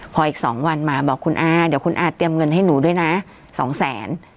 พออีก๒วันมาบอกคุณอาเดี๋ยวคุณอาเตรียมเงินให้หนูด้วยนะสองแสน